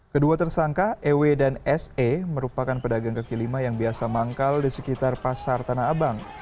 kedua tersangka ew dan se merupakan pedagang kaki lima yang biasa manggal di sekitar pasar tanah abang